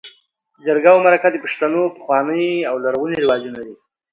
جرګه او مرکه د پښتنو پخواني او لرغوني رواجونه دي.